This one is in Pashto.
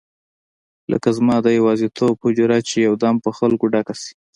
لکه زما د یوازیتوب حجره چې یو دم په خلکو ډکه شي.